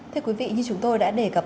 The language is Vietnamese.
thưa quý vị như chúng tôi đã đề cập